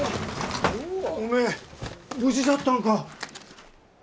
おめえ無事じゃったんか。